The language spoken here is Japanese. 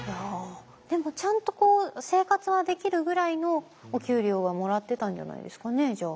でもちゃんとこう生活はできるぐらいのお給料はもらってたんじゃないですかねじゃあ。